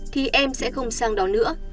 thì em sẽ không sang đó nữa